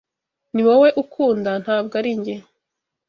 Ni wowe ukunda, ntabwo ari njye.